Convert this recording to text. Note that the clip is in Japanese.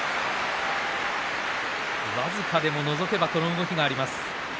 僅かでものぞけばこの動きがあります。